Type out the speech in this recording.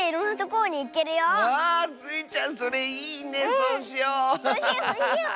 そうしようそうしよう！